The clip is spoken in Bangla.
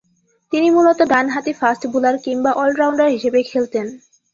তিনি মূলতঃ ডানহাতি ফাস্ট-বোলার কিংবা অল-রাউন্ডার হিসেবে খেলতেন।